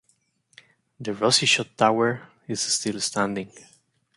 The Rossie Shot Tower is still standing.